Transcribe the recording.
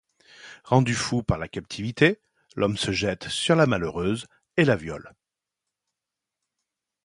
Rendu fou par la captivité, l'homme se jette sur la malheureuse et la viole.